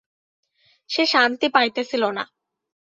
সে শান্তি পাইতেছিল না।